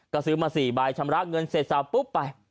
ก็ซื้อมา๔ใบชำระเงินเสร็จสาวปุ๊บไป